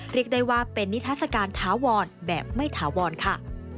เรียกได้ว่าเป็นนิทัศกาลถาวรแบบไม่ถาวรค่ะ